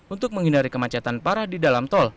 untuk menghindari kemacetan parah di dalam tol